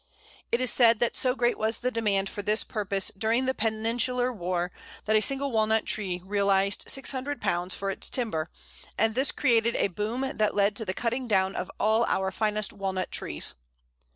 It is said that so great was the demand for this purpose during the Peninsular War, that a single Walnut tree realized £600 for its timber, and this created a boom that led to the cutting down of all our finest Walnut trees.